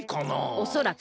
おそらく。